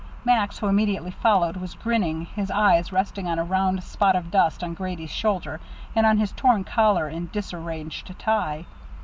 Max, who immediately followed, was grinning, his eyes resting on a round spot of dust on Grady's shoulder, and on his torn collar and disarranged tie.